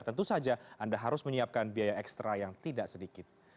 tentu saja anda harus menyiapkan biaya ekstra yang tidak sedikit